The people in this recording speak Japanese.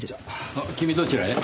あっ君どちらへ？